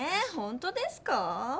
ほんとですかぁ？